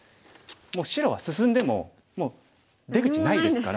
もう白は進んでも出口ないですから。